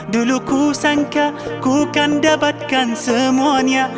dulu ku sangka ku kan dapatkan semuanya